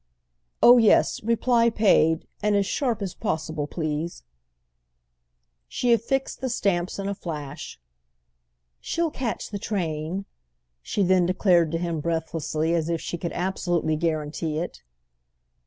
"Oh yes, reply paid, and as sharp as possible, please." She affixed the stamps in a flash. "She'll catch the train!" she then declared to him breathlessly, as if she could absolutely guarantee it.